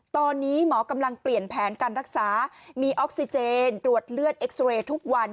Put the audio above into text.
ตอนนี้หมอกำลังเปลี่ยนแผนการรักษามีออกซิเจนตรวจเลือดเอ็กซ์เรย์ทุกวัน